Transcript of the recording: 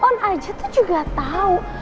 orang orangnya tuh juga tau